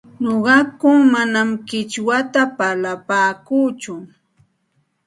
Nuqaku manam qichwata parlapaakuuchu,